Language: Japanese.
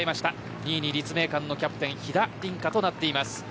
２位に立命館のキャプテン飛田凛香となっています。